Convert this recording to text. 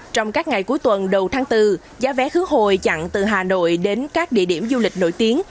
trong các ngày cuối tuần đầu tháng bốn giá vé khứ hồi chặn từ hà nội đến các địa điểm du lịch nổi tiếng